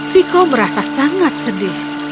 viko merasa sangat sedih